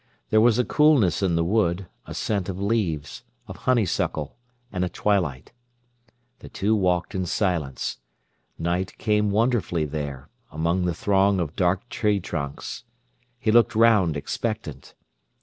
There was a coolness in the wood, a scent of leaves, of honeysuckle, and a twilight. The two walked in silence. Night came wonderfully there, among the throng of dark tree trunks. He looked round, expectant.